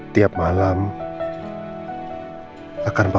si buruk rupa